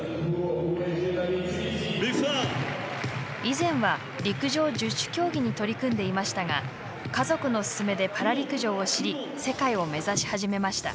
以前は陸上十種競技に取り組んでいましたが家族の勧めでパラ陸上を知り世界を目指し始めました。